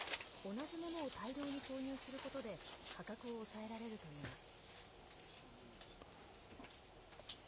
同じものを大量に購入することで価格を抑えられるといいます。